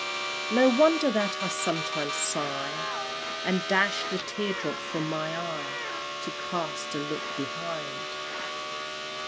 No wonder that I sometimes sigh, And dash the tear drop from my eye, To cast a look behind!